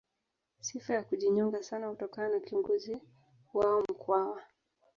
Sifa ya kujinyonga sana kutokana na kiongozi wao Mkwawa